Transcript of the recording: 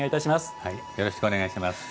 よろしくお願いします。